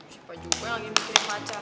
si pajuk gue lagi mikirin pacar